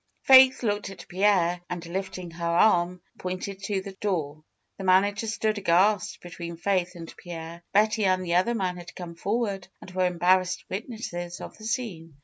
Faith looked at Pierre and lifting her arm, pointed to the door. The manager stood aghast between Faith and Pierre. Betty and the other man had come forward, and were embarrassed witnesses of the scene.